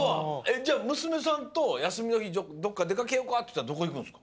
じゃあむすめさんとやすみのひどっかでかけようかっていったらどこいくんですか？